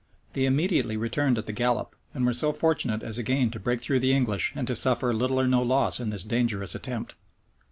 They immediately returned at the gallop, and were so fortunate as again to break through the English and to suffer little or no loss in this dangerous attempt.